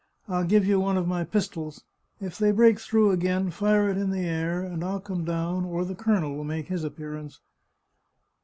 " I'll give you one of my pistols. If they break through again fire it in the air, and I'll come down, or the colonel will make his appearance."